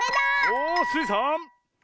おスイさん。